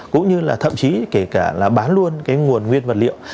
cũng như là thậm chí kể cả bán luôn nguồn nguyên vật liệu